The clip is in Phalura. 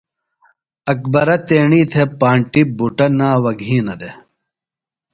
اکبرہ تیݨی تھےۡ پانٹیۡ بُٹہ ناوہ گِھینہ دےۡ۔